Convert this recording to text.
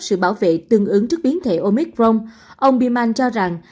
sự bảo vệ tương ứng trước biến thể omicron ông bilman cho rằng